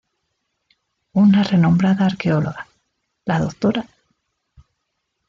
Una renombrada arqueóloga, la Dra.